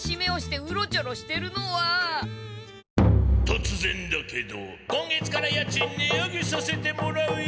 とつぜんだけど今月から家賃値上げさせてもらうよ。